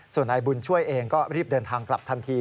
ส่วนนายบุญช่วยเองก็รีบเดินทางกลับทันที